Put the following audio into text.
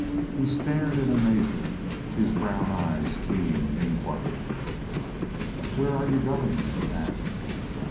He stared in amazement, his brown eyes keen in inquiry. "Where are you going?" he asked.